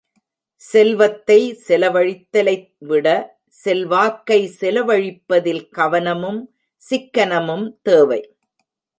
செல்வத்தை செலவழித்தலைவிட செல்வாக்கை செலவழிப்பதில் கவனமும் சிக்கனமும் தேவை.